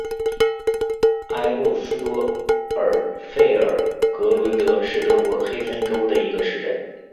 埃布斯多尔费尔格伦德是德国黑森州的一个市镇。